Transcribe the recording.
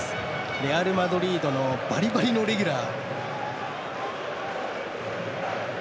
レアルマドリードのバリバリのレギュラー。